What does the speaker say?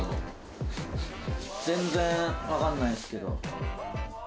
全然わかんないんですけど。